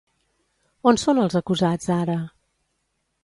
On són els acusats ara?